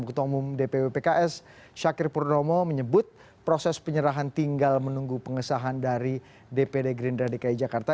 ketua umum dpw pks syakir purnomo menyebut proses penyerahan tinggal menunggu pengesahan dari dpd gerindra dki jakarta